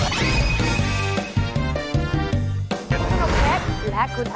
ขอโทษนะคะ